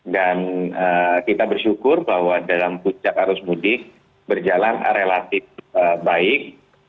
dan kita bersyukur bahwa dalam puncak arus mudik berjalan relatif baik